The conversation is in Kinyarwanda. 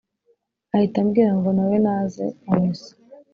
ahita amubwira ngo nawe naze mu misa